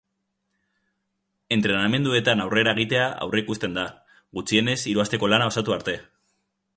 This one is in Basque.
Entrenamenduetan aurrera egitea aurreikusten da, gutxienez hiru asteko lana osatu arte.